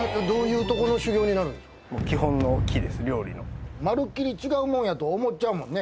えぇ⁉まるっきり違うもんやと思っちゃうもんね